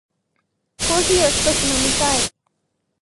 コーヒーを少し飲みたい。